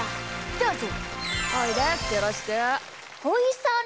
どうぞ！